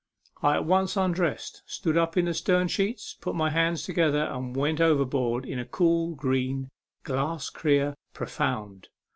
I at once undressed, stood up in the stern sheets, put my hands together, and went over board into the cool, green, glass clear profound.